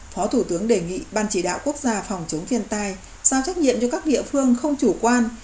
phó thủ tướng đề nghị ban chỉ đạo quốc gia phòng chống thiên tai giao trách nhiệm cho các địa phương không chủ quan